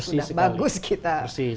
sudah bagus kita